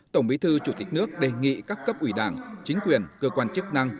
tổng bí thư chủ tịch nước đề nghị các cấp ủy đảng chính quyền cơ quan chức năng